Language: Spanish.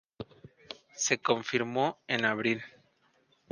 Se confirmó en abril.